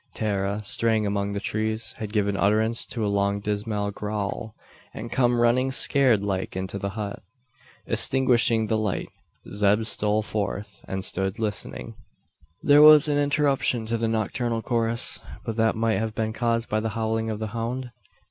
Tara, straying among the trees, had given utterance to a long dismal "gowl," and come running scared like into the hut. Extinguishing the light, Zeb stole forth, and stood listening. There was an interruption to the nocturnal chorus; but that might have been caused by the howling of the hound?